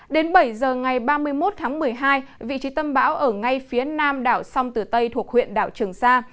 đến bảy giờ ngày ba mươi một tháng một mươi hai vị trí tâm bão ở ngay phía nam đảo sông tử tây thuộc huyện đảo trường sa